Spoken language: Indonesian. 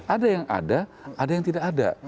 ada yang ada ada yang tidak ada